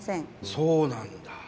そうなんだ！